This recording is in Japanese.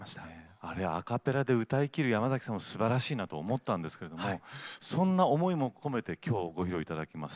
あれをアカペラで歌いきる山崎さんもすばらしいなと思ったんですけどそんな思いも込めて、きょうご披露いただきます